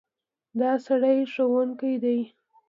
دا سړی ښوونکی دی.